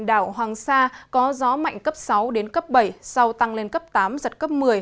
đảo hoàng sa có gió mạnh cấp sáu đến cấp bảy sau tăng lên cấp tám giật cấp một mươi